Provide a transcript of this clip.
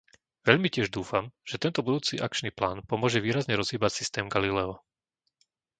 Veľmi tiež dúfam, že tento budúci akčný plán pomôže výrazne rozhýbať systém Galileo.